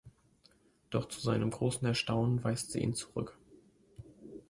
Doch zu seinem großen Erstaunen weist sie ihn zurück.